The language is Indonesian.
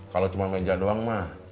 kalau cuma meja doang mah